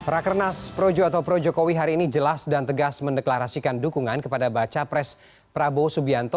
rakernas projo atau pro jokowi hari ini jelas dan tegas mendeklarasikan dukungan kepada baca pres prabowo subianto